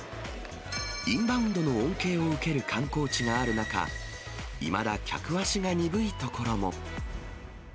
インバウンドの恩恵を受ける観光地がある中、いまだ客足が鈍い所も。